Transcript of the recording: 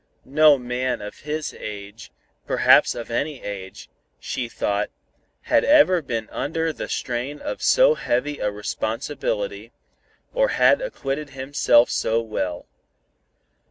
No man of his age, perhaps of any age, she thought, had ever been under the strain of so heavy a responsibility, or had acquitted himself so well.